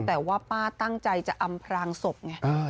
แต่ว่าป้าตั้งใจจะอำพรางศพไง